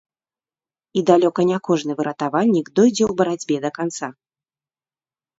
І далёка не кожны выратавальнік дойдзе ў барацьбе да канца.